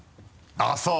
あぁそう。